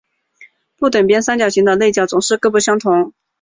不等边三角形的内角总是各不相同。